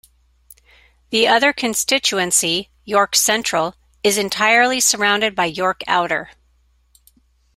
The other constituency, York Central, is entirely surrounded by York Outer.